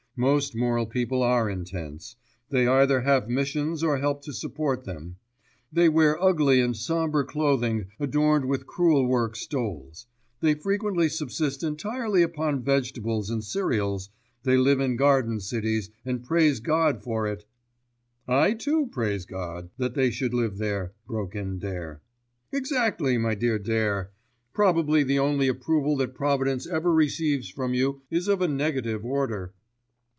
Most moral people are intense. They either have missions or help to support them. They wear ugly and sombre clothing adorned with crewel work stoles. They frequently subsist entirely upon vegetables and cereals, they live in garden cities and praise God for it——" "I, too, praise God that they should live there," broke in Dare. "Exactly, my dear Dare, probably the only approval that providence ever receives from you is of a negative order."